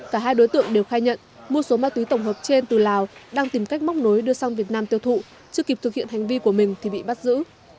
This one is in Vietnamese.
cả hai đối tượng đều khai nhận mua số ma túy tổng hợp trên từ lào đang tìm cách móc nối đưa sang việt nam tiêu thụ chưa kịp thực hiện hành vi của mình thì bị bắt giữ